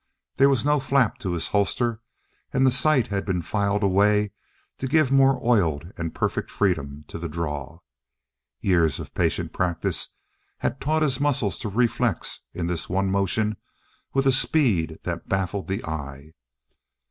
There was no flap to his holster, and the sight had been filed away to give more oiled and perfect freedom to the draw. Years of patient practice had taught his muscles to reflex in this one motion with a speed that baffled the eye.